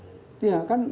ya kan saya sampaikan tadi